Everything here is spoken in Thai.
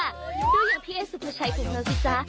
ดูอย่างพี่เอสุภาชัยของเราสิจ๊ะ